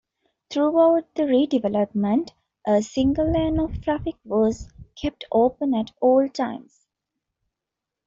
Throughout the redevelopment, a single lane of traffic was kept open at all times.